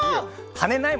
はねない。